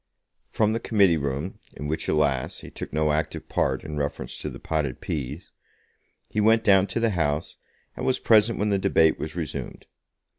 From the Committee Room, in which, alas! he took no active part in reference to the potted peas, he went down to the House, and was present when the debate was resumed.